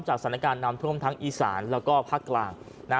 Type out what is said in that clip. จากศาลนาการน้ำท่วมทั้งอีสานแล้วก็ภาพกลางนะ